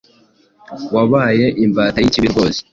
wabaye imbata y' ikibi rwose